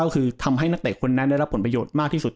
ก็คือทำให้นักเตะคนนั้นได้รับผลประโยชน์มากที่สุด